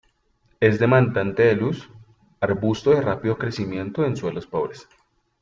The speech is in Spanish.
Es demandante de luz; arbusto de rápido crecimiento en suelos pobres.